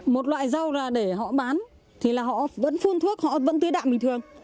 một loại rau là để họ bán thì là họ vẫn phun thuốc họ vẫn tứ đạm bình thường